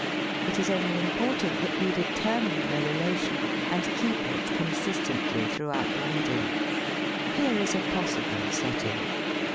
It is only im portant that we determine a relation and keep it consistently throughout the reading. Here is a possible "setting.'